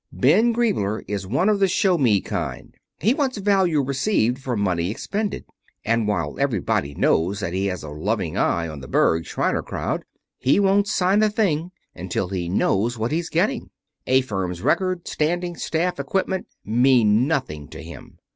Ben Griebler is one of the show me kind. He wants value received for money expended, and while everybody knows that he has a loving eye on the Berg, Shriner crowd, he won't sign a thing until he knows what he's getting. A firm's record, standing, staff, equipment, mean nothing to him."